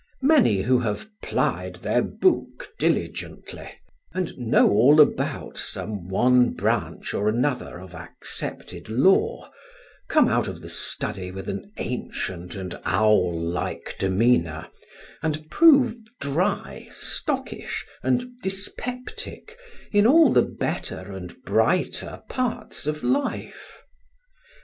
Many who have "plied their book diligently," and know all about some one branch or another of accepted lore, come out of the study with an ancient and owl like demeanour, and prove dry, stockish, and dyspeptic in all the better and brighter parts of life.